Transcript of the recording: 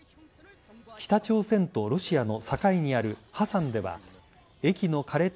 北朝鮮とロシアの境にあるハサンでは、駅の枯れた